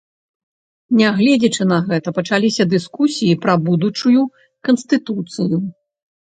Нягледзячы на гэта, пачаліся дыскусіі пра будучую канстытуцыю.